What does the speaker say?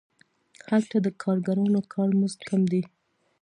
هلته د کارګرانو کاري مزد کم دی